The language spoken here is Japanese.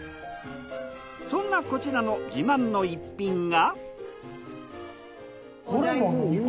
そんなこちらの自慢の一品が。